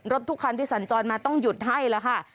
รถทุกครั้งที่สันจรมาต้องหยุดให้ละค่ะ